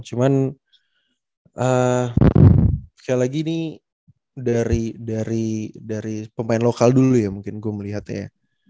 cuman kayak lagi nih dari pemain lokal dulu ya mungkin gue melihat ya